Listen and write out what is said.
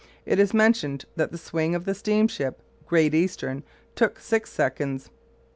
It is mentioned that the swing of the steam ship Great Eastern took six seconds."